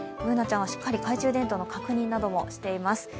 Ｂｏｏｎａちゃんはしっかり懐中電灯の確認などもしています。